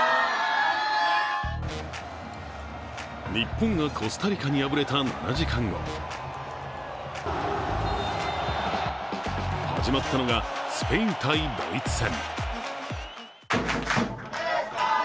日本がコスタリカに敗れた７時間後始まったのがスペイン×ドイツ戦。